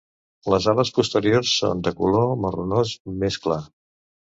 Les ales posteriors són de color marronós més clar.